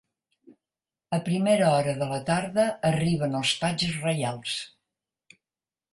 A primera hora de la tarda arriben els patges Reials.